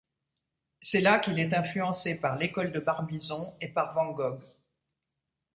C'est là qu'il est influencé par l'École de Barbizon et par Van Gogh.